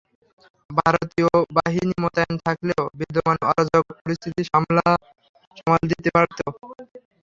ভারতীয় বাহিনী মোতায়েন থাকলেও বিদ্যমান অরাজক পরিস্থিতি সামাল দিতে পারত না।